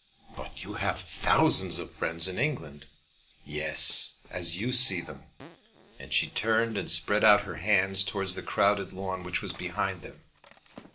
"But you have thousands of friends in England." "Yes, as you see them," and she turned and spread out her hands towards the crowded lawn, which was behind them.